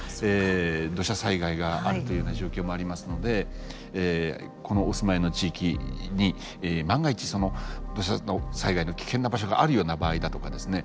土砂災害があるというような状況もありますのでお住まいの地域に万が一その土砂災害の危険な場所があるような場合だとかですね